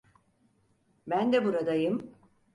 Ben de buradayım.